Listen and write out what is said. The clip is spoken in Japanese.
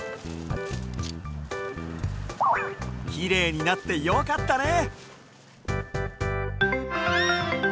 きれいになってよかったね。